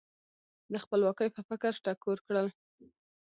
د خپلواکۍ په فکر ټکور کړل.